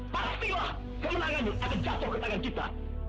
pastilah keunangan ini akan jatuh ke tangan kita